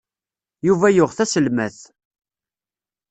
Yuba yuɣ taselmadt.